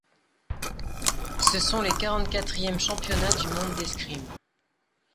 Ce sont les quarante-quatrièmes championnats du monde d'escrime.